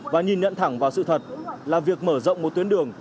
và nhìn nhận thẳng vào sự thật là việc mở rộng một tuyến đường